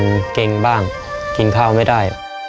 มันเก่งบ้างกินข้าวไม่ได้